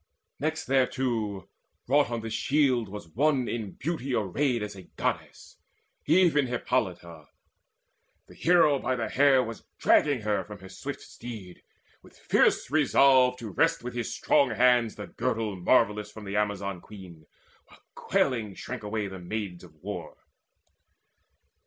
Next thereto Wrought on the shield was one in beauty arrayed As of a Goddess, even Hippolyta. The hero by the hair was dragging her From her swift steed, with fierce resolve to wrest With his strong hands the Girdle Marvellous From the Amazon Queen, while quailing shrank away The Maids of War.